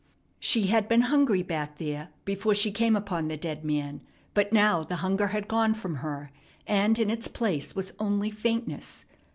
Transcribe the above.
She had been hungry back there before she came upon the dead man; but now the hunger had gone from her, and in its place was only faintness.